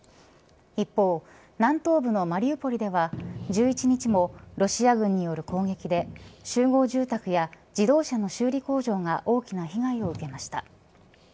一方、南東部のマリウポリでは１１日もロシア軍による攻撃で集合住宅や自動車の修理工場が大きな被害を受けました。